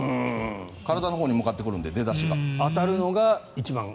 体のほうに向かってくるので出だしが。